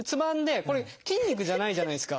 これ筋肉じゃないじゃないですか。